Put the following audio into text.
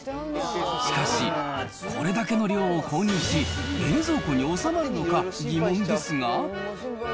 しかし、これだけの量を購入し、冷蔵庫に収まるのか疑問ですが。